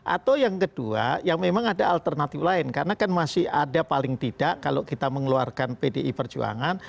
atau yang kedua yang memang ada alternatif lain karena kan masih ada paling tidak kalau kita mengeluarkan pdi perjuangan